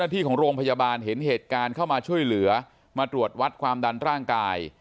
ที่ของโรงพยาบาลเห็นเหตุการณ์เข้ามาช่วยเหลือมาตรวจวัดความดันร่างกาย